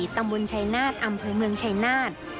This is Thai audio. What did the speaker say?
ตำบลชายนาฏอำเภอเมืองชัยนาธ